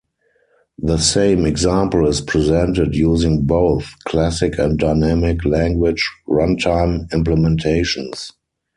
The same example is presented using both classic and Dynamic Language Runtime implementations.